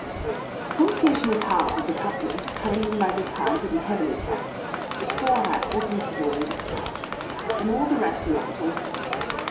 The conversational powers of the company having been by this time pretty heavily taxed, the straw hat opens the door and gets out; and all the rest alight also.